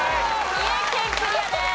三重県クリアです。